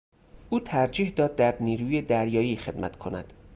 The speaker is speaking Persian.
او ترجیح داد در نیروی دریایی خدمت کند.